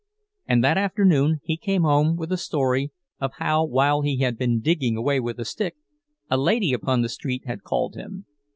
And that afternoon he came home with a story of how while he had been digging away with a stick, a lady upon the street had called him.